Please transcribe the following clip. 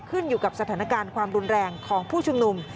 ขึ้นอยู่กับสถานการณ์ความรุนแรงของผู้ชุมนุม